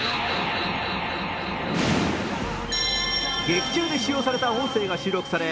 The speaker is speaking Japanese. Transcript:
劇中で使用された音声が収録され